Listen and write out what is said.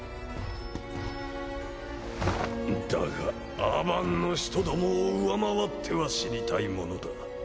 だがアバンの使徒どもを上回っては死にたいものだ。